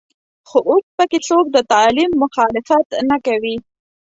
خو اوس په کې څوک د تعلیم مخالفت نه کوي.